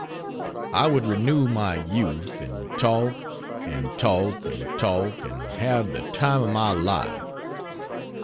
I would renew my youth; and talk and talk and talk and have the time of my life!